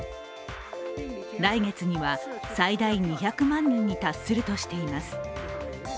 来月には、最大２００万人に達するとしています。